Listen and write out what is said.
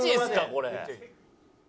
これ。